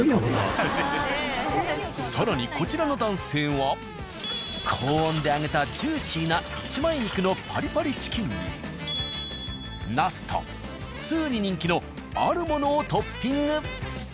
更にこちらの男性は高温で揚げたジューシーな１枚肉のパリパリチキンになすと通に人気のあるものをトッピング。